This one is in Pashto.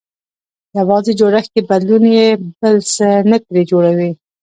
يوازې جوړښت کې بدلون يې بل څه نه ترې جوړوي.